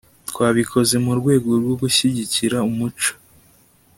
twabikoze mu rwego rwo gushyigikira umuco